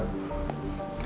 itu masih berubah